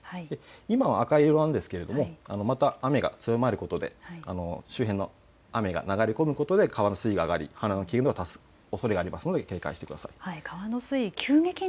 今は赤色なんですがまた雨が強まることで周辺の雨が流れ込むことで川の水位が上がり氾濫の危険がありますので注意をしてください。